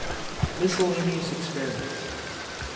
MISCELLANEOUS EXPERIMENTS.